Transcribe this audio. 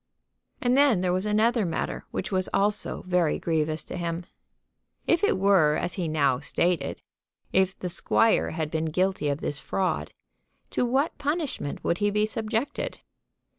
And then there was another matter which was also very grievous to him. If it were as he now stated, if the squire had been guilty of this fraud, to what punishment would he be subjected?